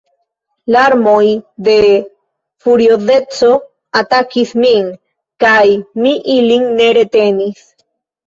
Larmoj de furiozeco atakis min, kaj mi ilin ne retenis.